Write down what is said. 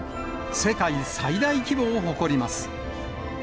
世界最大規模を誇ります。